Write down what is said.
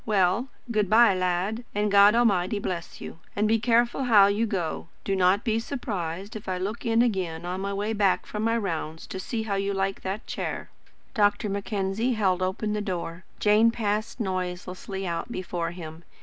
Well, good bye, lad, and God Almighty bless you. And be careful how you go. Do not be surprised if I look in again on my way back from my rounds to see how you like that chair." Dr. Mackenzie held open the door. Jane passed noiselessly out before him.